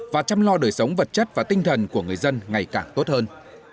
và chăm lo đời sống vật chất và tinh thần của người dân ngày càng tốt hơn